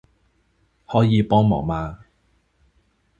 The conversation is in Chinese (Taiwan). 可以幫忙嗎